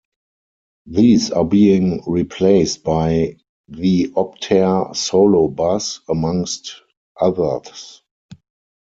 These are being replaced by the Optare Solo bus, amongst others.